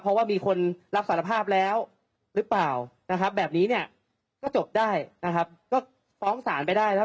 เพราะว่ามีคนรับสารภาพแล้วหรือเปล่านะครับแบบนี้เนี่ยก็จบได้นะครับก็ฟ้องศาลไปได้นะครับ